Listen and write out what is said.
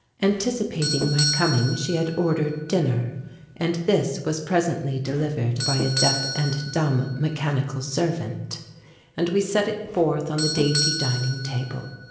Anticipating my coming she had ordered dinner, and this was presently delivered by a deaf and dumb mechanical servant, and we set it forth on the dainty dining table.